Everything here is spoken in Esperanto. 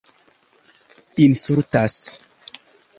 insultas